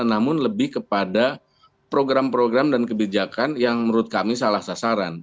namun lebih kepada program program dan kebijakan yang menurut kami salah sasaran